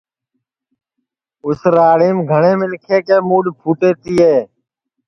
اُس راڑیم گھٹؔے منکھیں کے مُڈؔ پُھٹے تیئے